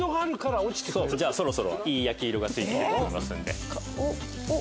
じゃあそろそろいい焼き色がついてると思います。